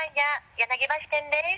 柳橋店です。